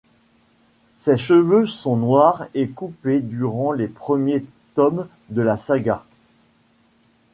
Ses cheveux sont noirs et coupés durant les premiers tomes de la saga.